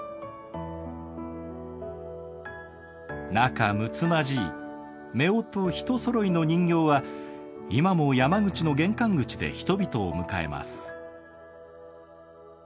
仲むつまじい夫婦一そろいの人形は今も山口の玄関口で人々を迎えます。